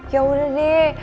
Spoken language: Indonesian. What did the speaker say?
ya udah deh